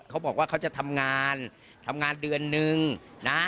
เขาบอกว่าเขาจะทำงานทำงานเดือนนึงนะ